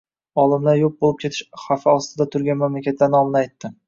Olimlar yo‘q bo‘lib ketish xavfi ostida turgan mamlakatlar nomini aytdi